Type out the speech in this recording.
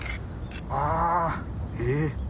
ああ、えー。